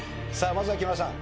まずは木村さん